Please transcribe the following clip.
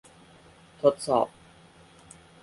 ทดสอบ